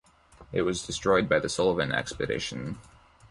It was destroyed by the Sullivan Expedition.